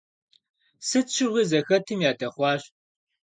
Сыт щыгъуи зыхэтым ядэхъуащ.